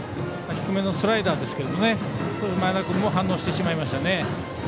低めのスライダーですが前田君も反応してしまいましたね。